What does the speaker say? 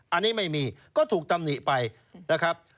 อันนี้ไม่มีก็ถูกตำหนิไปนะครับ